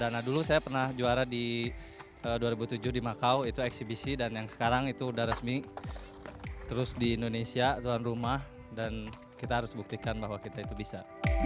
nah dulu saya pernah juara di dua ribu tujuh di makao itu eksibisi dan yang sekarang itu udah resmi terus di indonesia tuan rumah dan kita harus buktikan bahwa kita itu bisa